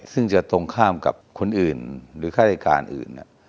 ซึ่งจะตรงข้ามกับคนอื่นหรือฆาติการอื่น